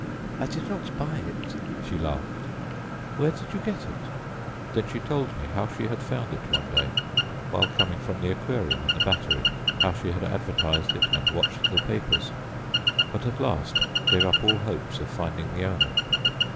"I did not buy it," she laughed. "Where did you get it?" Then she told me how she had found it one day while coming from the Aquarium in the Battery, how she had advertised it and watched the papers, but at last gave up all hopes of finding the owner.